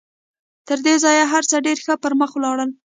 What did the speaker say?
تر دې ځايه هر څه ډېر ښه پر مخ ولاړل.